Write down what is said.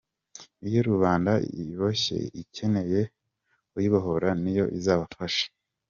Iyo rubanda iboshye ikeneye uyibohora ni yo izababafasha?